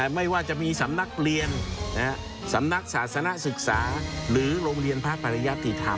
ไม่ว่าจะมีสำนักเรียนสำนักศาสนศึกษาหรือโรงเรียนพระปริยติธรรม